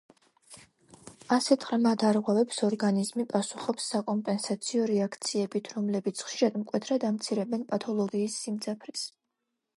ასეთ ღრმა დარღვევებს ორგანიზმი პასუხობს საკომპენსაციო რეაქციებით, რომლებიც, ხშირად მკვეთრად ამცირებენ პათოლოგიის სიმძაფრეს.